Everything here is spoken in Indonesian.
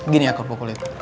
gini ya kerupuk kulit